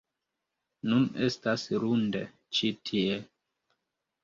Nun estas lunde ĉi tie